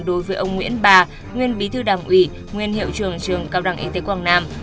đối với ông nguyễn bà nguyên bí thư đảng ủy nguyên hiệu trường trường cao đẳng y tế quảng nam